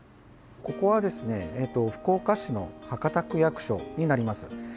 ここはですね福岡市の博多区役所になります。